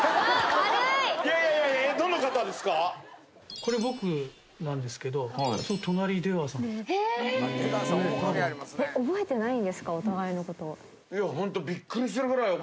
これ僕なんですけどその隣出川さん。